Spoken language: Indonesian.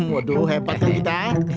waduh hebat kan kita